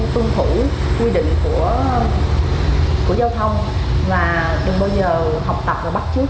xin chúc quý vị và các bạn một ngày tốt đẹp và hạnh phúc